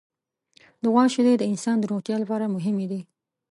د غوا شیدې د انسان د روغتیا لپاره مهمې دي.